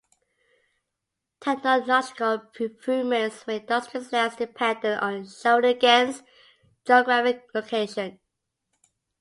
Technological improvements made industries less dependent on Shawinigan's geographic location.